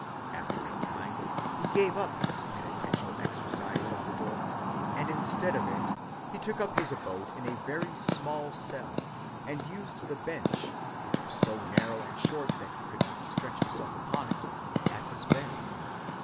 After a time he gave up this penitential exercise of the door, and instead of it he took up his abode in a very small cell, and used the bench, which was so narrow and short that he could not stretch himself upon it, as his bed.